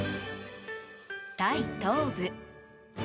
タイ東部。